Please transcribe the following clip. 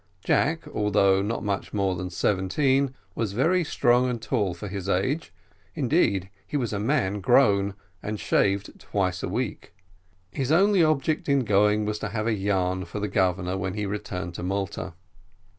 Jack, although not much more than seventeen, was very strong and tall for his age; indeed, he was a man grown, and shaved twice a week. His only object in going was to have a yarn for the Governor when he returned to Malta.